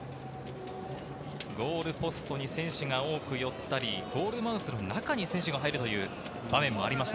ゴールポストに選手が多く寄ったり、ゴールマウスの中に選手が入るという場面もありました。